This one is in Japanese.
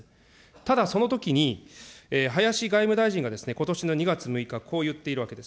ただ、そのときに、林外務大臣が、ことしの２月６日、こう言っているわけです。